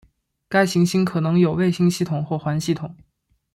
该行星可能有卫星系统或环系统。